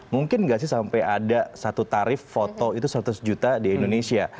mungkin nggak sih sampai ada satu tarif foto itu seratus juta di indonesia